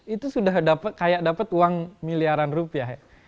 itu sudah kayak dapat uang miliaran rupiah ya